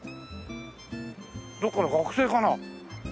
どこかの学生かな？